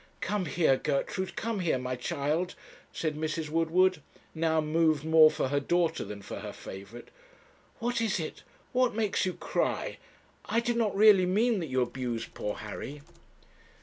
'Come here, Gertrude; come here, my child,' said Mrs. Woodward, now moved more for her daughter than for her favourite; 'what is it? what makes you cry? I did not really mean that you abused poor Harry.'